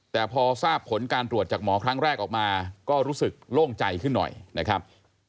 แต่พอทราบผลการตรวจจากหมอครั้งแรกออกมาก็รู้สึกโล่งใจขึ้นหน่อยนะครับ